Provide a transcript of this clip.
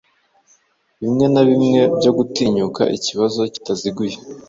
bimwe na bimwe byo gutinyuka ikibazo kitaziguye